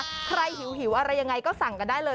ใครหิวอะไรยังไงก็สั่งกันได้เลย